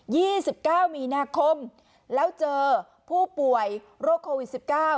ี่สิบเก้ามีนาคมแล้วเจอผู้ป่วยโรคโควิดสิบเก้า